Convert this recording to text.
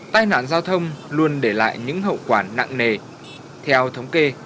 tại nạn giao thông luôn để lại những hậu quả nặng nề